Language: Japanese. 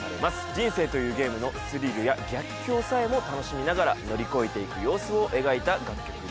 人生というゲームのスリルや逆境さえも楽しみながら乗り越えていく様子を描いた楽曲です。